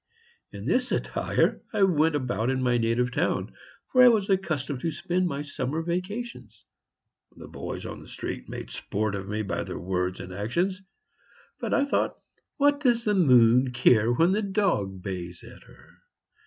In this attire I went about in my native town, where I was accustomed to spend my summer vacations. The boys on the street made sport of me by their words and actions, but I thought, "What does the moon care when the dog bays at her!"